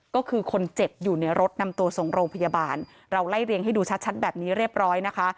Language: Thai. ก็คือคนเจ็บอยู่ในรถนำตัวส่งโรงพยาบาลเราไล่เรียงให้ดูชัดแบบนี้เรียบร้อยนะคะ